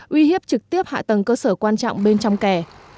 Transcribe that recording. uy hiếp trực tiếp hạ tầng cơ sở quan trọng bên trong kè